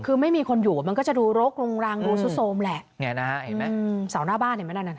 คือไม่มีคนอยู่มันก็จะดูรกรุงรังดูซุดโทรมแหละเนี่ยนะฮะเห็นไหมเสาหน้าบ้านเห็นไหมนั่นน่ะ